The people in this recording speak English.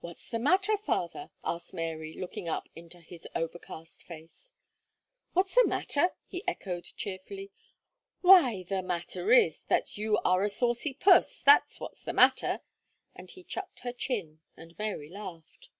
"What's the matter, father?" asked Mary, looking up into his overcast face. "What's the matter!" he echoed cheerfully; "why, the matter is, that you are a saucy puss that's what's the matter," and he chucked her chin, and Mary laughed.